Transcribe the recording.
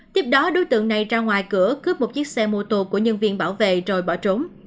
tiếp đó đối tượng này ra ngoài cửa cướp một chiếc xe mô tô của nhân viên bảo vệ rồi bỏ trốn